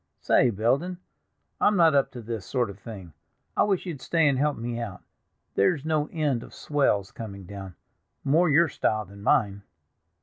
Say, Belden, I'm not up to this sort of thing. I wish you'd stay and help me out—there's no end of swells coming down, more your style than mine."